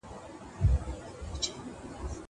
دا زده کړه له هغه ګټوره ده!